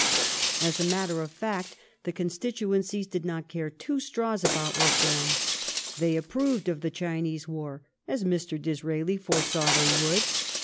As a matter of fact, the constituencies did not care two straws about reform ; they approved of the Chinese war, as Mr. Disraeli foresaw they would.